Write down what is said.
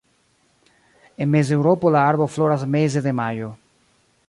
En Mezeŭropo la arbo floras meze de majo.